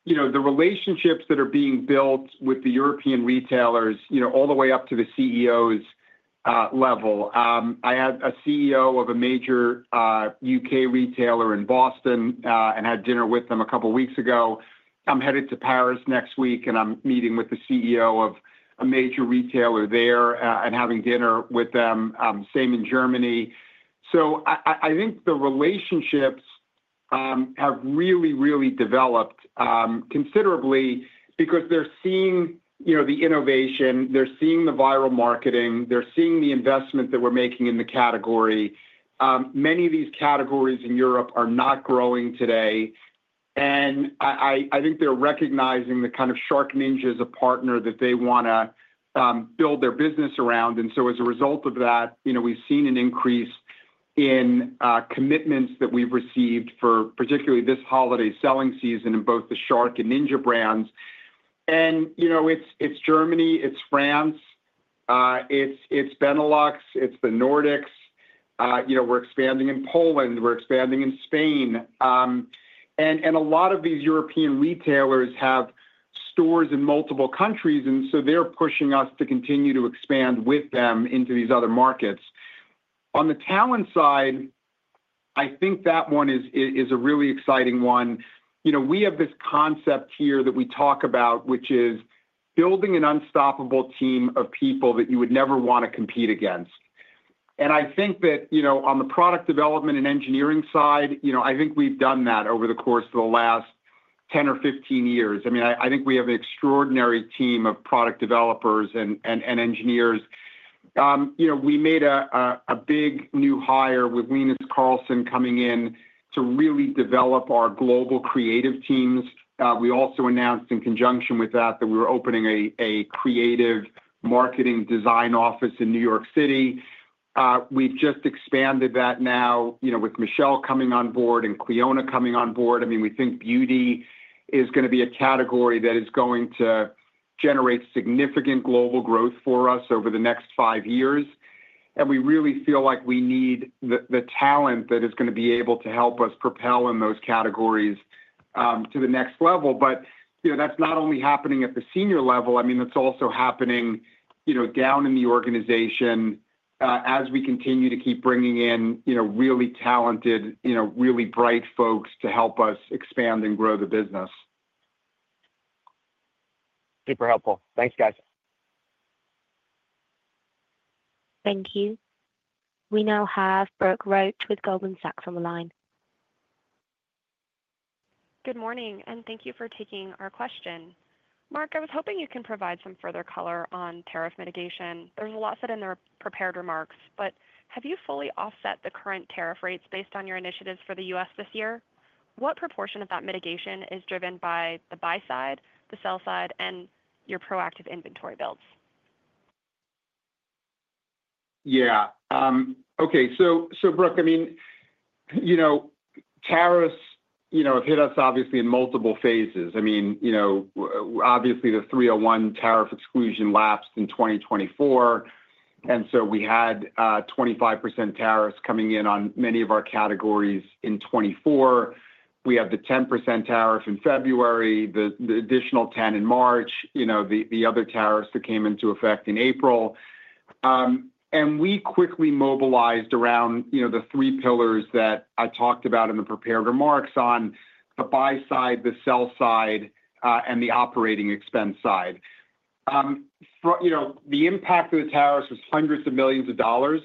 the relationships that are being built with the European retailers all the way up to the CEO's level. I had a CEO of a major UK retailer in Boston and had dinner with them a couple of weeks ago. I'm headed to Paris next week, and I'm meeting with the CEO of a major retailer there and having dinner with them, same in Germany. So I think the relationships have really, really developed considerably because they're seeing the innovation. They're seeing the viral marketing. They're seeing the investment that we're making in the category. Many of these categories in Europe are not growing today. And I think they're recognizing the kind of SharkNinja as a partner that they want to build their business around. And so as a result of that, we've seen an increase in commitments that we've received for particularly this holiday selling season in both the Shark and Ninja brands. And it's Germany. It's France. It's Benelux. It's the Nordics. We're expanding in Poland. We're expanding in Spain. And a lot of these European retailers have stores in multiple countries, and so they're pushing us to continue to expand with them into these other markets. On the talent side, I think that one is a really exciting one. We have this concept here that we talk about, which is building an unstoppable team of people that you would never want to compete against, and I think that on the product development and engineering side, I think we've done that over the course of the last 10 or 15 years. I mean, I think we have an extraordinary team of product developers and engineers. We made a big new hire with Linus Karlsson coming in to really develop our global creative teams. We also announced in conjunction with that that we were opening a creative marketing design office in New York City. We've just expanded that now with Michelle coming on board and Cleona coming on board. I mean, we think beauty is going to be a category that is going to generate significant global growth for us over the next five years. And we really feel like we need the talent that is going to be able to help us propel in those categories to the next level. But that's not only happening at the senior level. I mean, that's also happening down in the organization as we continue to keep bringing in really talented, really bright folks to help us expand and grow the business.
Super helpful. Thanks, guys. Thank you.
We now have Brooke Roach with Goldman Sachs on the line.
Good morning, and thank you for taking our question. Mark, I was hoping you can provide some further color on tariff mitigation. There's a lot said in the prepared remarks, but have you fully offset the current tariff rates based on your initiatives for the U.S. this year? What proportion of that mitigation is driven by the buy side, the sell side, and your proactive inventory builds?
Yeah. Okay. So, Brooke, I mean, tariffs have hit us obviously in multiple phases. I mean, obviously, the 301 tariff exclusion lapsed in 2024, and so we had 25% tariffs coming in on many of our categories in 2024. We have the 10% tariff in February, the additional 10% in March, the other tariffs that came into effect in April, and we quickly mobilized around the three pillars that I talked about in the prepared remarks on the buy side, the sell side, and the operating expense side. The impact of the tariffs was hundreds of millions of dollars.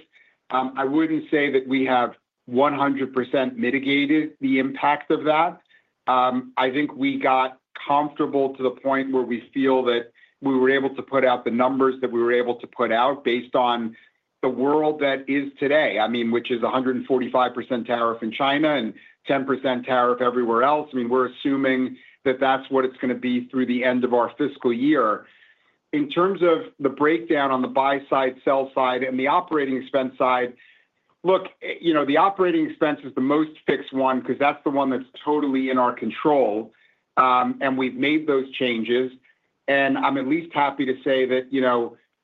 I wouldn't say that we have 100% mitigated the impact of that. I think we got comfortable to the point where we feel that we were able to put out the numbers that we were able to put out based on the world that is today, I mean, which is 145% tariff in China and 10% tariff everywhere else. I mean, we're assuming that that's what it's going to be through the end of our fiscal year. In terms of the breakdown on the buy side, sell side, and the operating expense side, look, the operating expense is the most fixed one because that's the one that's totally in our control, and we've made those changes, and I'm at least happy to say that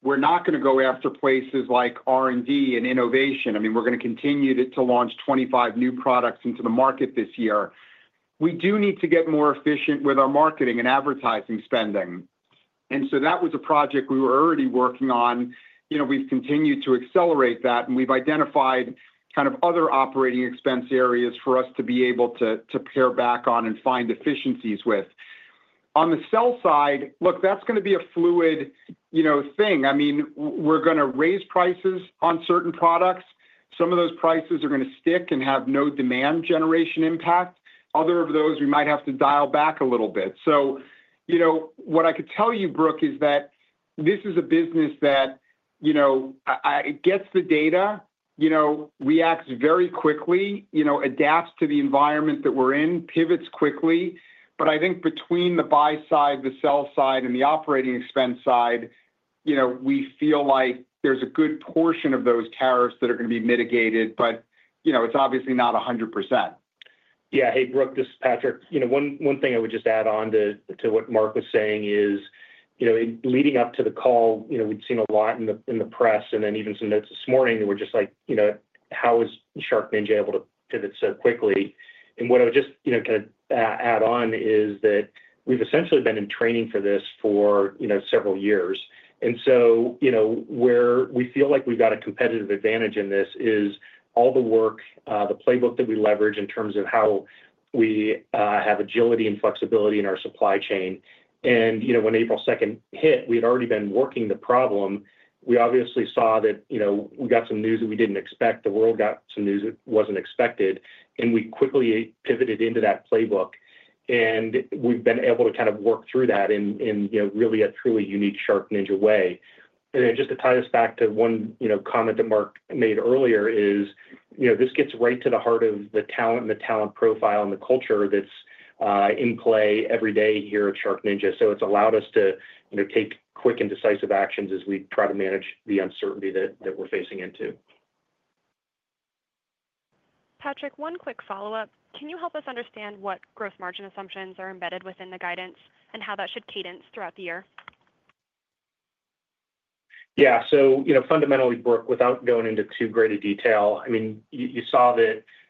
we're not going to go after places like R&D and innovation. I mean, we're going to continue to launch 25 new products into the market this year. We do need to get more efficient with our marketing and advertising spending. And so that was a project we were already working on. We've continued to accelerate that, and we've identified kind of other operating expense areas for us to be able to pare back on and find efficiencies with. On the sell side, look, that's going to be a fluid thing. I mean, we're going to raise prices on certain products. Some of those prices are going to stick and have no demand generation impact. Other of those, we might have to dial back a little bit. So what I could tell you, Brooke, is that this is a business that gets the data, reacts very quickly, adapts to the environment that we're in, pivots quickly. But I think between the buy side, the sell side, and the operating expense side, we feel like there's a good portion of those tariffs that are going to be mitigated, but it's obviously not 100%.
Yeah. Hey, Brooke, this is Patric. One thing I would just add on to what Mark was saying is leading up to the call, we'd seen a lot in the press and then even some notes this morning that were just like, "How is SharkNinja able to pivot so quickly?" And what I would just kind of add on is that we've essentially been in training for this for several years. And so where we feel like we've got a competitive advantage in this is all the work, the playbook that we leverage in terms of how we have agility and flexibility in our supply chain. When April 2nd hit, we had already been working the problem. We obviously saw that we got some news that we didn't expect. The world got some news that wasn't expected, and we quickly pivoted into that playbook. We've been able to kind of work through that in really a truly unique SharkNinja way. Just to tie this back to one comment that Mark made earlier, this gets right to the heart of the talent and the talent profile and the culture that's in play every day here at SharkNinja. It's allowed us to take quick and decisive actions as we try to manage the uncertainty that we're facing into.
Patric, one quick follow-up. Can you help us understand what gross margin assumptions are embedded within the guidance and how that should cadence throughout the year?
Yeah. So fundamentally, Brooke, without going into too great a detail, I mean,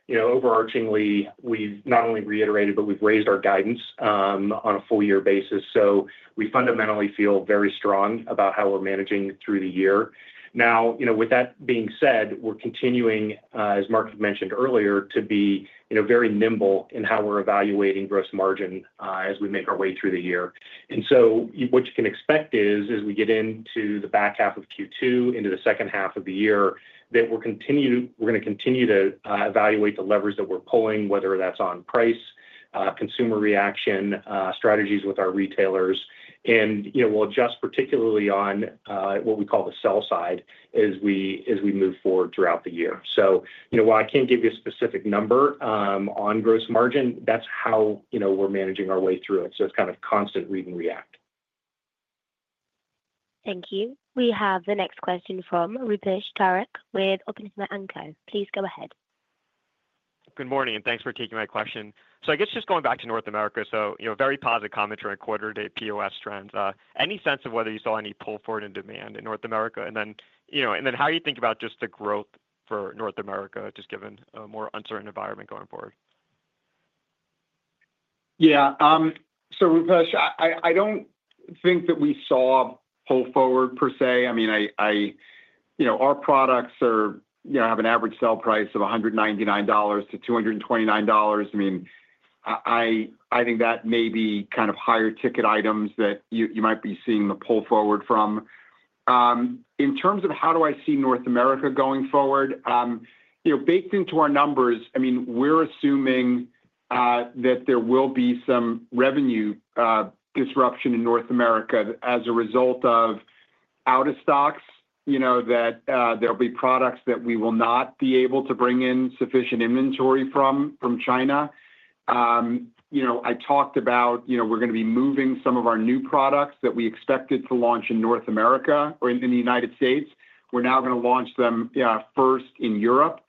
you saw that overarchingly, we've not only reiterated, but we've raised our guidance on a full-year basis. So we fundamentally feel very strong about how we're managing through the year. Now, with that being said, we're continuing, as Mark mentioned earlier, to be very nimble in how we're evaluating gross margin as we make our way through the year. And so what you can expect is, as we get into the back half of Q2, into the second half of the year, that we're going to continue to evaluate the levers that we're pulling, whether that's on price, consumer reaction, strategies with our retailers. And we'll adjust particularly on what we call the sell side as we move forward throughout the year. So while I can't give you a specific number on gross margin, that's how we're managing our way through it. So it's kind of constant read and react.
Thank you. We have the next question from Rupesh Parikh with Oppenheimer & Co. Please go ahead.
Good morning, and thanks for taking my question. So I guess just going back to North America, so very positive commentary on quarter-to-date POS trends. Any sense of whether you saw any pull forward in demand in North America? And then how do you think about just the growth for North America, just given a more uncertain environment going forward?
Yeah. So, Rupesh, I don't think that we saw pull forward per se. I mean, our products have an average sell price of $199-$229. I mean, I think that may be kind of higher ticket items that you might be seeing the pull forward from. In terms of how do I see North America going forward, baked into our numbers, I mean, we're assuming that there will be some revenue disruption in North America as a result of out-of-stocks, that there'll be products that we will not be able to bring in sufficient inventory from China. I talked about, we're going to be moving some of our new products that we expected to launch in North America or in the United States. We're now going to launch them first in Europe.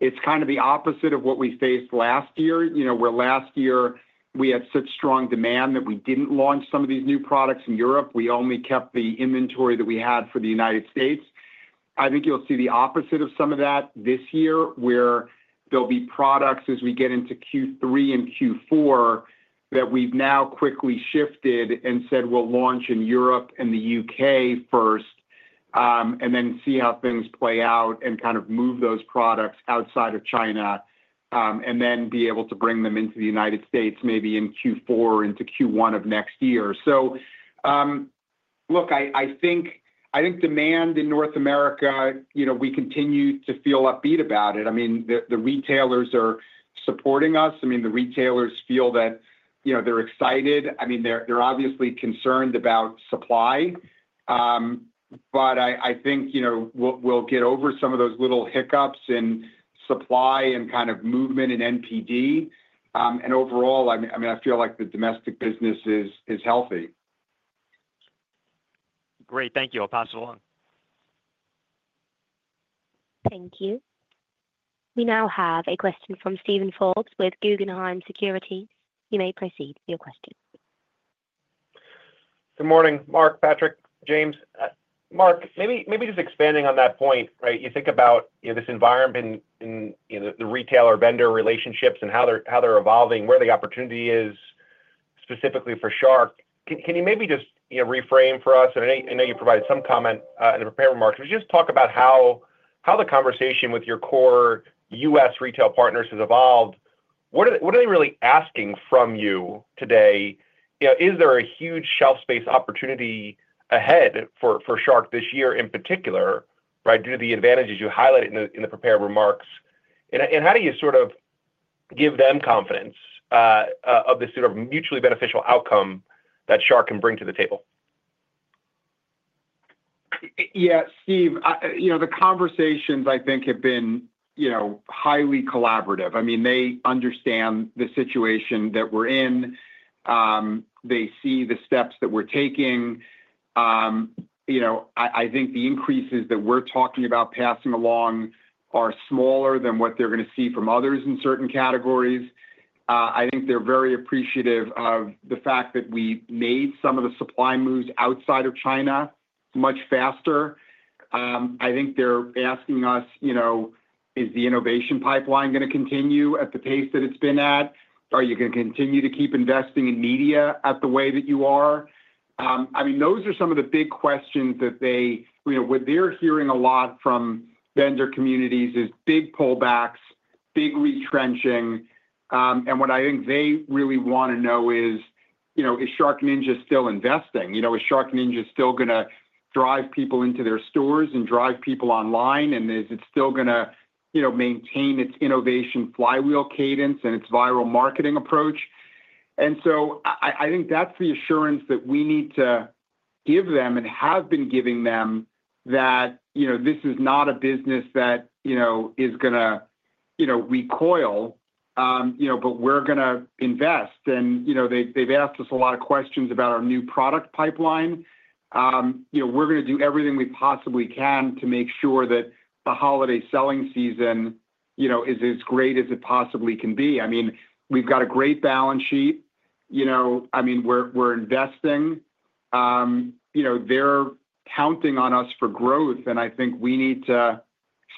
It's kind of the opposite of what we faced last year, where last year we had such strong demand that we didn't launch some of these new products in Europe. We only kept the inventory that we had for the United States. I think you'll see the opposite of some of that this year, where there'll be products as we get into Q3 and Q4 that we've now quickly shifted and said we'll launch in Europe and the U.K. first, and then see how things play out and kind of move those products outside of China, and then be able to bring them into the United States maybe in Q4 or into Q1 of next year, so look, I think demand in North America, we continue to feel upbeat about it. I mean, the retailers are supporting us. I mean, the retailers feel that they're excited. I mean, they're obviously concerned about supply. But I think we'll get over some of those little hiccups in supply and kind of movement in NPD and overall,
I mean, I feel like the domestic business is healthy.
Great. Thank you. I'll pass it along.
Thank you. We now have a question from Steven Forbes with Guggenheim Securities. You may proceed with your question.
Good morning, Mark, Patrick, James. Mark, maybe just expanding on that point, right? You think about this environment in the retailer-vendor relationships and how they're evolving, where the opportunity is specifically for Shark. Can you maybe just reframe for us? And I know you provided some comment in the prepared remarks. Could you just talk about how the conversation with your core US retail partners has evolved? What are they really asking from you today? Is there a huge shelf space opportunity ahead for Shark this year in particular, right, due to the advantages you highlighted in the prepared remarks? And how do you sort of give them confidence of this sort of mutually beneficial outcome that Shark can bring to the table?
Yeah. Steve, the conversations, I think, have been highly collaborative. I mean, they understand the situation that we're in. They see the steps that we're taking. I think the increases that we're talking about passing along are smaller than what they're going to see from others in certain categories. I think they're very appreciative of the fact that we made some of the supply moves outside of China much faster. I think they're asking us, "Is the innovation pipeline going to continue at the pace that it's been at? Are you going to continue to keep investing in media at the way that you are?" I mean, those are some of the big questions. What they're hearing a lot from vendor communities is big pullbacks, big retrenching. What I think they really want to know is, "Is SharkNinja still investing? Is SharkNinja still going to drive people into their stores and drive people online? And is it still going to maintain its innovation flywheel cadence and its viral marketing approach?" And so I think that's the assurance that we need to give them and have been giving them that this is not a business that is going to recoil, but we're going to invest. And they've asked us a lot of questions about our new product pipeline. We're going to do everything we possibly can to make sure that the holiday selling season is as great as it possibly can be. I mean, we've got a great balance sheet. I mean, we're investing. They're counting on us for growth, and I think we need to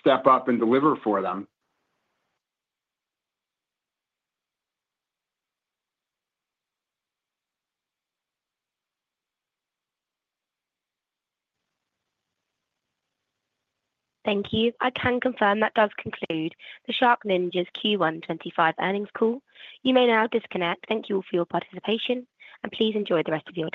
step up and deliver for them.
Thank you. I can confirm that does conclude the SharkNinja's Q1 2025 earnings call. You may now disconnect. Thank you all for your participation, and please enjoy the rest of your day.